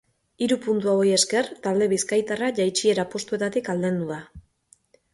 Hiru puntu hauei esker, talde bizkaitarra jaitsiera postuetatik aldendu da.